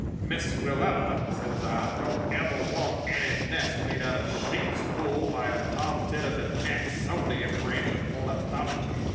Miss Willella,' says I, 'don't ever want any nest made out of sheep's wool by a tomtit of the Jacksonian branch of ornithology.